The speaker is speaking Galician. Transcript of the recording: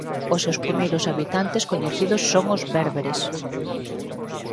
Os seus primeiros habitantes coñecidos son os bérberes.